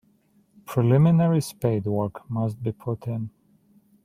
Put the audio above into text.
Preliminary spadework must be put in.